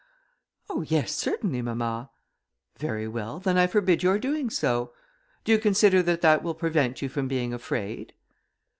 "Oh! yes, certainly, mamma." "Very well, then I forbid your doing so. Do you consider that that will prevent you from being afraid?"